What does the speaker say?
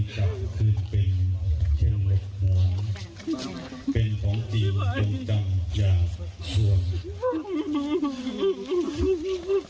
ขอบคุณครับ